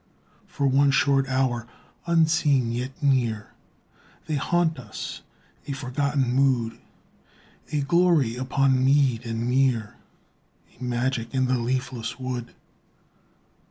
For one short hour; unseen yet near, They haunt us, a forgotten mood, A glory upon mead and mere, A magic in the leafless wood.